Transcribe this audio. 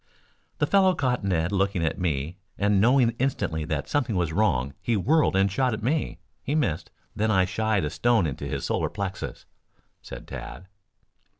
"The fellow caught Ned looking at me and knowing instantly that something was wrong he whirled and shot at me. He missed, then I shied a stone into his solar plexus," said Tad.